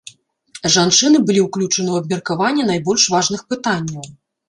Жанчыны былі ўключаны ў абмеркаванне найбольш важных пытанняў.